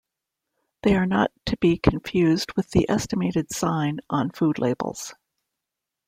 They are not to be confused with the estimated sign on food labels.